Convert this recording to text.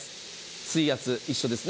水圧、一緒ですね。